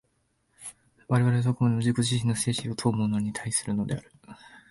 我々はどこまでも自己自身の生死を問うものに対するのである。